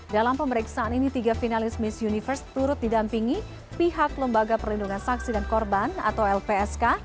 dalam pemeriksaan ini tiga finalis miss universe turut didampingi pihak lembaga perlindungan saksi dan korban atau lpsk